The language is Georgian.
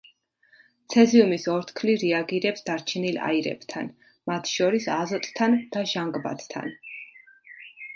ცეზიუმის ორთქლი რეაგირებს დარჩენილ აირებთან, მათ შორის აზოტთან და ჟანგბადთან.